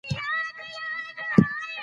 راتلونکی په اوسني وخت پورې اړه لري.